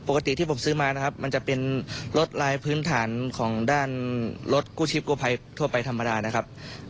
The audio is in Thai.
ปกติที่ผมซื้อมานะครับมันจะเป็นรถลายพื้นฐานของด้านรถกู้ชีพกู้ภัยทั่วไปธรรมดานะครับ